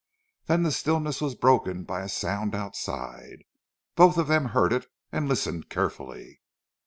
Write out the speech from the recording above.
Then the stillness was broken by a sound outside. Both of them heard it, and listened carefully.